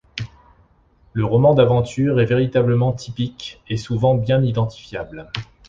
Le roman d'aventures est véritablement typique, et souvent bien identifiable.